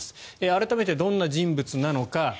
改めてどんな人物なのか。